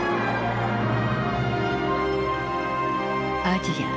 アジア